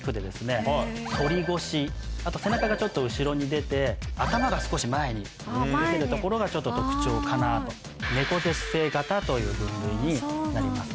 あと背中がちょっと後ろに出て頭が少し前に出てるところがちょっと特徴かなと。という分類になります。